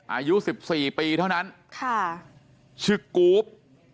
อายุ๑๔ปีเท่านั้นชื่อกูฟ